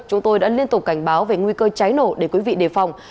chúng tôi đã liên tục cảnh báo về nguy cơ cháy nổ để quý vị đề phòng